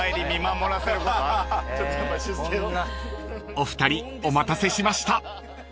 ［お二人お待たせしました］